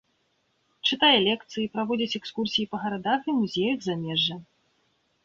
Чытае лекцыі, праводзіць экскурсіі па гарадах і музеях замежжа.